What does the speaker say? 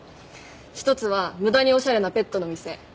一つは無駄におしゃれなペットの店。